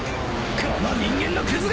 この人間のクズが！